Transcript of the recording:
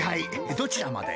どちらまで？